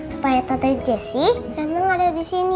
supaya tante jessy sama nggak ada disini